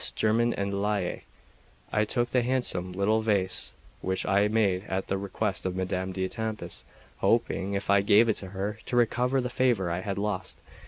Germain en Laye, I took the handsome little vase which I had made at the request of Madame d'Etampes, hoping, if I gave it her, to recover the favour I had lost.